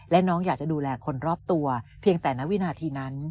และน้องอยากจะดูแลคนรอบตัวเพียงแต่ณวินาทีนั้น